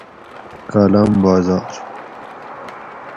کالام بازار